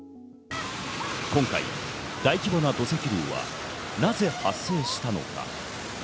今回大規模な土石流はなぜ発生したのか。